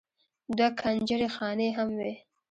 دوه کنجرې خانې هم وې.